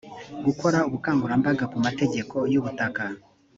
gukora ubukangurambaga ku mategeko y’ubutaka